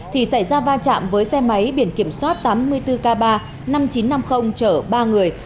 thì xảy ra va chạm với xe máy biển kiểm soát tám mươi bốn k ba năm nghìn chín trăm năm mươi chở ba người